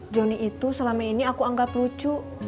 johnny itu selama ini aku anggap lucu